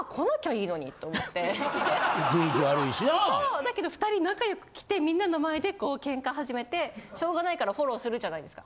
だけど２人仲良く来てみんなの前でこう喧嘩始めてしょうがないからフォローするじゃないですか。